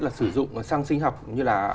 là sử dụng xăng sinh học như là